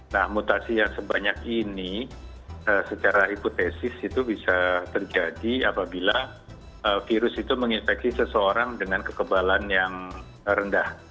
nah mutasi yang sebanyak ini secara hipotesis itu bisa terjadi apabila virus itu menginfeksi seseorang dengan kekebalan yang rendah